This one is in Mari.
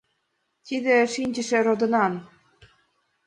Тиде шинчыше родынан